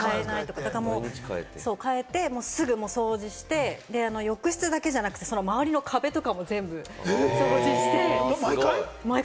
毎日かえて、すぐ掃除して浴室だけじゃなくて、その周りの壁とかも全部掃除して、毎回。